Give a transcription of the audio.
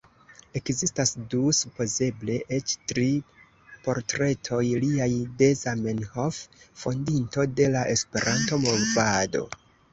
Ekzistas du, supozeble eĉ tri portretoj liaj de Zamenhof fondinto de la Esperanto-movado.